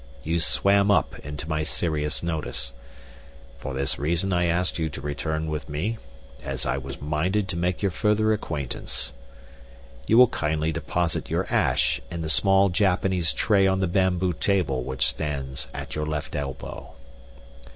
You swam up into my serious notice. For this reason I asked you to return with me, as I was minded to make your further acquaintance. You will kindly deposit your ash in the small Japanese tray on the bamboo table which stands at your left elbow."